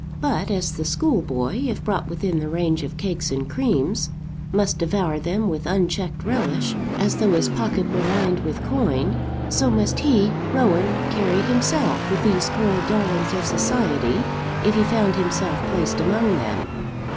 But as the schoolboy, if brought within the range of cakes and creams, must devour them with unchecked relish, as though his pocket were lined with coin; so must he, Rowan, carry himself with these curled darlings of society if he found himself placed among them.